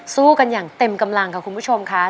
สู้กันอย่างเต็มกำลังค่ะคุณผู้ชมค่ะ